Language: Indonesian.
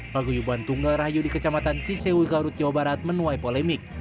paguyuban tunggal rahayu di kecamatan cisewu garut jawa barat menuai polemik